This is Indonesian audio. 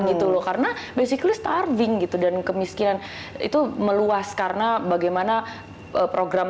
gitu loh karena basically starting gitu dan kemiskinan itu meluas karena bagaimana program